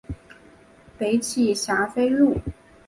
北起霞飞路。